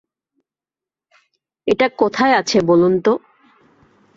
এটা কোথায় আছে বলুন তো?